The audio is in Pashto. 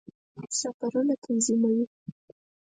سفرونه تنظیموي.